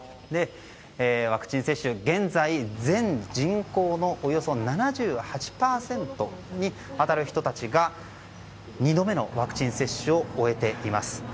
ワクチン接種、現在全人口のおよそ７８％に当たる人たちが２度目のワクチン接種を終えています。